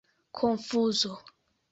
konfuzo